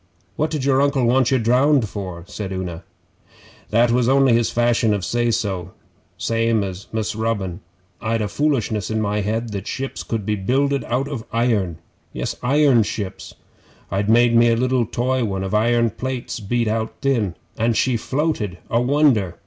'What did your Uncle want you drowned for?' said Una. 'That was only his fashion of say so, same as Mus' Robin. I'd a foolishness in my head that ships could be builded out of iron. Yes iron ships! I'd made me a liddle toy one of iron plates beat out thin and she floated a wonder!